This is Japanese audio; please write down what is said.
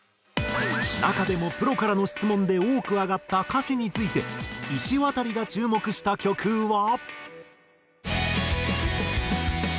中でもプロからの質問で多く挙がった歌詞についていしわたりが注目した曲は。